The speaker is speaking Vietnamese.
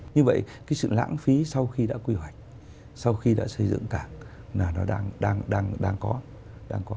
như vậy cái sự lãng phí sau khi đã quy hoạch sau khi đã xây dựng cảng là nó đang có đang có